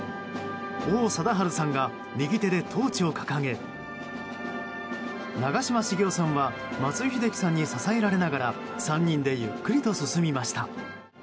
王貞治さんが右手でトーチを掲げ長嶋茂雄さんは松井秀喜さんに支えられながら３人でゆっくりと進みました。